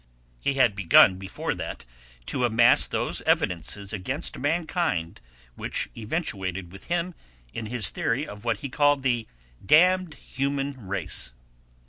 He had begun before that to amass those evidences against mankind which eventuated with him in his theory of what he called "the damned human race."